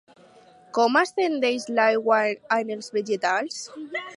Com ascendeix l'aigua en els vegetals?